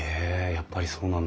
やっぱりそうなんだ。